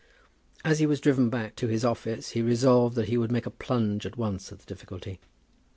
As he was driven back to his office he resolved that he would make a plunge at once at the difficulty.